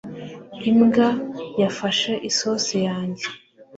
imbwa yafashe isosi yanjye